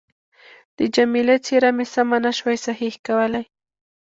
د جميله څېره مې سمه نه شوای صحیح کولای.